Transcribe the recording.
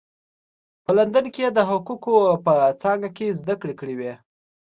په لندن کې یې د حقوقو په څانګه کې زده کړې کړې وې.